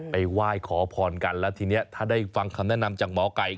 ไหว้ขอพรกันแล้วทีนี้ถ้าได้ฟังคำแนะนำจากหมอไก่